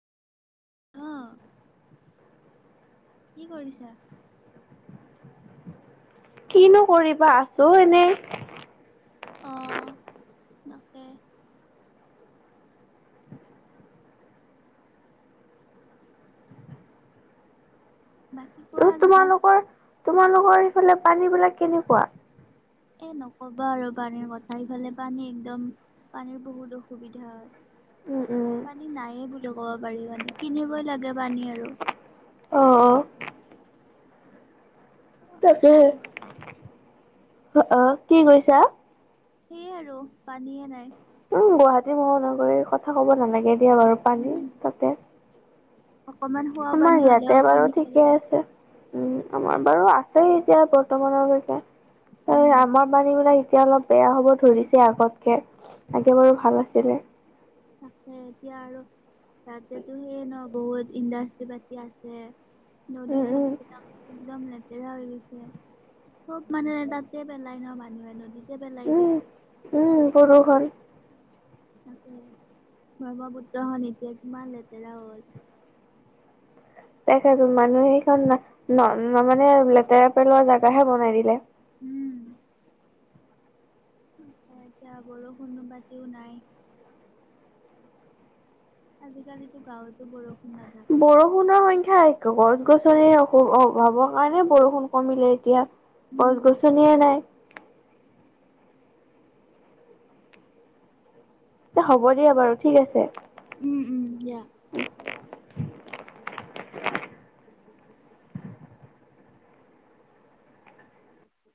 উম কি কৰিছা কিনো কৰিবা আছো এনেই অ নতে বাই তোমালোকৰ তোমালোকৰ সেই ফালে পানী বিলাক কেনেকুৱা এ নকবা আৰু পানীৰ কথাফালে পানী একদম পানীৰ বহুত অসুবিধা হয় উম উম পানী নাইে ক'ব পাৰি মানে কিনিবই লাগে পানী আৰু অ অ তাকে। অ, কি কৈছা। সেইয়ে আৰু পানীয়ে নাই। উম, গুৱাহাটী মহ নগৰ কথা ক'ব নালাগে। এয়া বাৰু পানী উম। তাতে। অকমান খোৱা আমাৰ পানী ইয়াতে হলেও বাৰু কিনিব ঠিকে লাগে। আছে। উম, আমাৰ বাৰু আছে এতিয়া বৰ্তমানলৈকে। উম। আমাৰ পানী বিলাক। এতিয়া অলপ বেয়া হ'ব ধৰিছে আগতকে, আগে বাৰু ভাল আছিলে। তাকে, এতিয়া আৰু তাতেতো সেইয়ে ন বহুত ইণ্ডাষ্ট্ৰ্ৰী পাতি আছে। নদী। উম উম একদম লেতেৰা হৈ গৈছে, চব মানে তাতে পেলাই ন মানুহে নদীত। পেলাই দিয়ে। উম উম প্ৰদূষণ তাকে ব্ৰহ্মপুত্ৰখনন এতিয়া কিমান লেতেৰা হ'ল। দেখছো মানুহে সেইখন ন মানে লেতেৰা পেলোৱা জোগাহে বনাই দিলে। উম এতিয়া বৰষুণ পাতিও নাই। আজিকালিতো গাঁৱতো বৰষুণ। নাথাকে বৰষুণৰ সংখ্যাই। গছ গছনি অসু অভাৱৰ কাৰণে বৰষুণ কমিলে এতিয়া। গছ উম গছনিয়ে নাই। হ'ব দিয়া বাৰু ঠিক আছে। উম উম দিয়া। উ [inaudible]